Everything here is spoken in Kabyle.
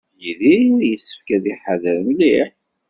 Yidir yessefk ad iḥader mliḥ.